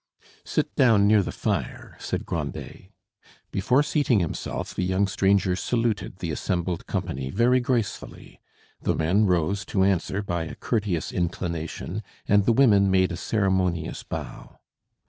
"Sit down near the fire," said Grandet. Before seating himself, the young stranger saluted the assembled company very gracefully. The men rose to answer by a courteous inclination, and the women made a ceremonious bow.